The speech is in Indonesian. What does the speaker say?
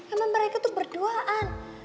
emang mereka tuh berduaan